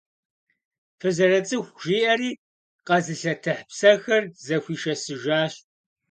Фызэрыцӏыху, — жиӏэри къэзылъэтыхь псэхэр зэхуишэсыжащ.